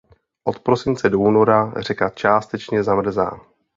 Od prosince do února řeka částečně zamrzá.